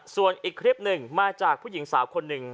ส่วนอีกคลิปหนึ่งมาจากผู้หญิงสาวคนหนึ่ง